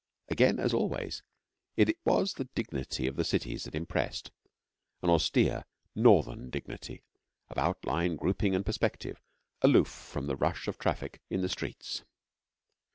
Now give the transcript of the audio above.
Again, as always, it was the dignity of the cities that impressed an austere Northern dignity of outline, grouping, and perspective, aloof from the rush of traffic in the streets.